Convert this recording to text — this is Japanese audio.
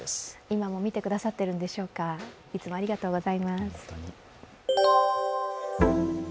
今も見てくださっているんでしょうか、いつもありがとうございます。